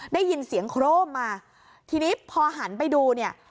ได้ยินเสียงโครมมาทีนี้พอหันไปดูเนี่ย